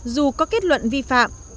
dù có kết luận vi phạm của công trình vi phạm